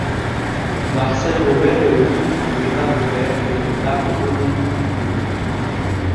Marcel Robert est le fils de Donat Robert et de Marie-Olivine Huot.